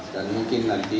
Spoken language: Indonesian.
dan mungkin nanti